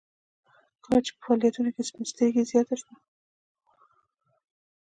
کله چې په فعالیتونو کې سپین سترګي زیاته شوه